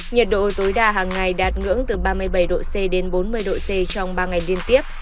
nhiệt độ tối đa hàng ngày đạt ngưỡng từ ba mươi bảy độ c đến bốn mươi độ c trong ba ngày liên tiếp